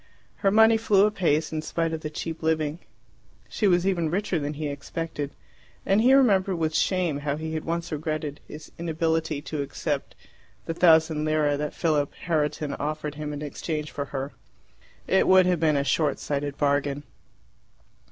Her money flew apace, in spite of the cheap living. She was even richer than he expected; and he remembered with shame how he had once regretted his inability to accept the thousand lire that Philip Herriton offered him in exchange for her. It would have been a shortsighted bargain.